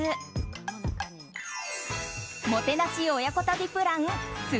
もてなし親子旅プラン